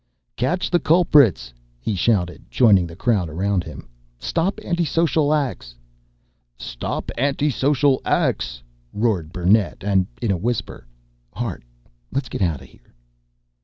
"Catch the culprits!" he shouted, joining the crowd around him. "Stop anti social acts!" "Stop anti social acts!" roared Burnett; and, in a whisper: "Hart, let's get out of here."